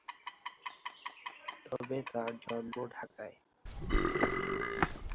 তবে তার জন্ম ঢাকায়।